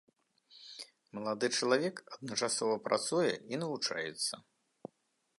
Малады чалавек адначасова працуе і навучаецца.